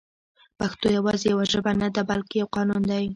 پښتو يوازې يوه ژبه نه ده بلکې يو قانون دی